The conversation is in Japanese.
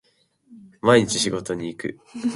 毎日仕事に行く